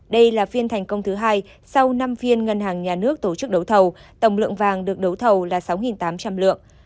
đây là phiên thành công thứ hai sau năm phiên ngân hàng nhà nước tổ chức đấu thầu tổng lượng vàng được đấu thầu là sáu tám trăm linh lượng